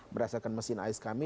berdasarkan mesin ais kami